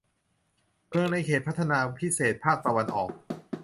เมืองในเขตพัฒนาพิเศษภาคตะวันออก